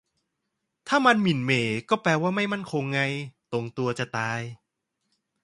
ถ้ามัน หมิ่นเหม่ ก็แปลว่า ไม่มั่นคง ไง ตรงตัวจะตาย